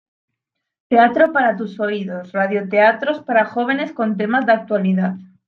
Teatro para tus oído, radioteatros para jóvenes con temas de actualidad.